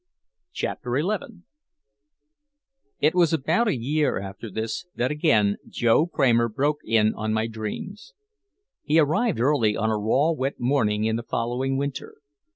CHAPTER XI It was about a year after this that again Joe Kramer broke in on my dreams. He arrived early on a raw, wet morning in the following winter.